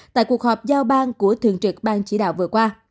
tại cuộc họp giao bang của thường trực ban chỉ đạo vừa qua